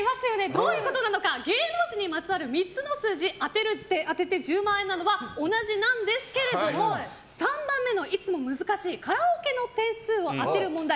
どういうことなのか芸能人にまつわる３つの数字を当てて１０万円なのは同じなんですけれども３番目のいつも難しいカラオケの点数を当てる問題